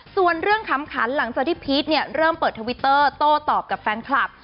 ส่วนเรื่องขำขันหลังจากที่พีชเนี่ยเริ่มเปิดทวิตเตอร์โต้ตอบกับแฟนคลับ